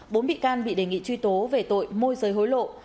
bốn bị can bị đề nghị truy tố về tội môi giới hối lộ